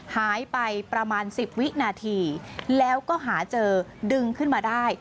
หายไปประมาณ๑๐วินาทีแล้วก็หาเจอดึงขึ้นมาได้